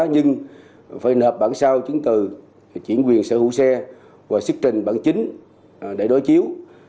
nhưng phải nợ bản sao chứng từ chuyển quyền sở hữu xe và xức trình bản chính để đối chiếu